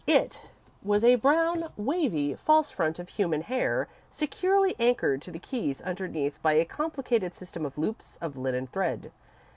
"It" was a brown, wavy, false front of human hair, securely anchored to the keys underneath by a complicated system of loops of linen thread.